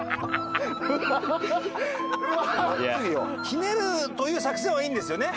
ひねるという作戦はいいんですよね。